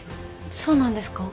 そうなんですか。